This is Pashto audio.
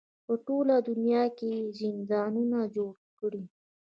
په ټوله دنیا کې یې زندانونه جوړ کړي.